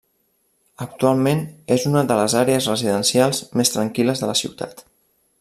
Actualment és una de les àrees residencials més tranquil·les de la ciutat.